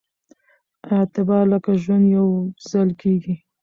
اعتبار لکه ژوند يوځل کېږي